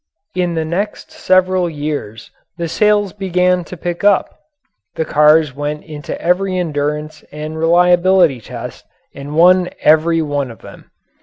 In the next several years the sales began to pick up. The cars went into every endurance and reliability test and won every one of them.